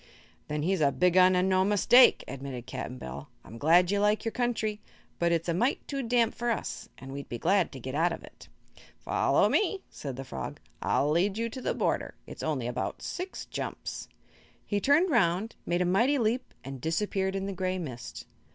"Then he's a big un, an' no mistake," admitted Cap'n Bill. "I'm glad you like your country, but it's a mite too damp for us, an' we'd be glad to get out of it." "Follow me," said the frog. "I'll lead you to the border. It's only about six jumps." He turned around, made a mighty leap and disappeared in the gray mist.